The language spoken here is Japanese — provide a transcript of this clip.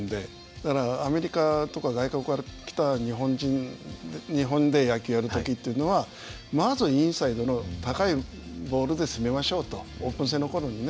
だからアメリカとか外国から来た日本で野球やる時というのはまずインサイドの高いボールで攻めましょうとオープン戦の頃にね。